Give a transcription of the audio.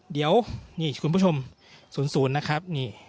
เดี๋ยวคุณผู้ชมศูนย์นะครับ